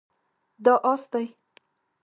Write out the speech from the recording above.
دا اس دی